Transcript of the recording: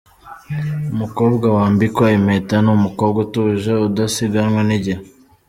Umukobwa wambikwa impeta ni umukobwa utuje udasiganwa n’igihe.